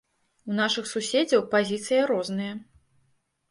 У нашых суседзяў пазіцыі розныя.